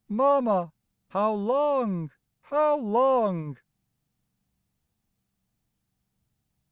Mama, how long how long!'